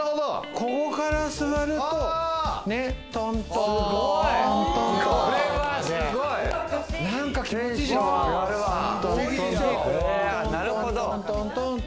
ここから座るとトントントントンと。